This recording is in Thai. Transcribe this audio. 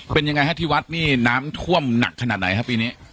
เป็นยังไงฮะที่วัดนี่น้ำท่วมหนักขนาดไหนครับปีนี้